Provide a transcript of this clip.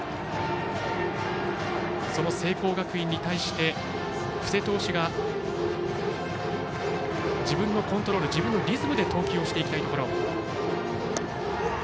その聖光学院に対して布施投手が自分のコントロール自分のリズムで投球をしていきたいところ。